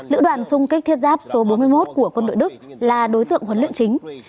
lữ đoàn xung kích thiết giáp số bốn mươi một của quân đội đức là đối tượng huấn luyện chính